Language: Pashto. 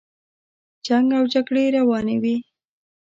جنګ او جګړې روانې وې.